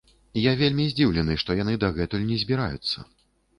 Я вельмі здзіўлены, што яны дагэтуль не збіраюцца.